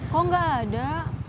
kok nggak ada